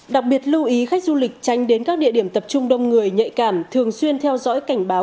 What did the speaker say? đặc biệt lưu ý khách du lịch tránh đến các địa điểm tập trung đông người nhạy cảm thường xuyên theo dõi cảnh báo